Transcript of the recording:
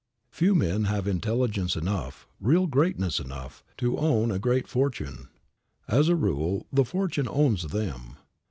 Few men have intelligence enough, real greatness enough, to own a great fortune. As a rule, the fortune owns them.